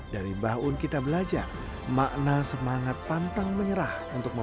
dari mbah un kita belajar makna semangat pantang menyerah untuk membangun kekayaan